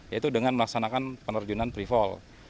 yaitu dengan melaksanakan penerjunan pre fall